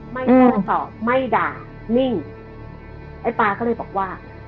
ไม่เชื่อตอบไม่ด่านิ่งไอ้ปลาก็เลยบอกว่า